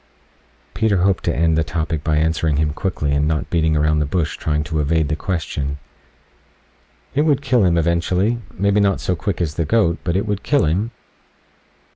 Peter hoped to end the topic by answering him quickly and not beating around the bush trying to evade the question. "It would kill him eventually. Maybe not so quick as the goat, but it would kill him."